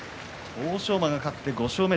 欧勝馬が勝って５勝目。